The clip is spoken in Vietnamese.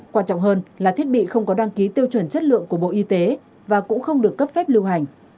quan trọng hơn là thiết bị không có đăng ký tiêu chuẩn chất lượng của bộ y tế và cũng không được cấp phép lưu hành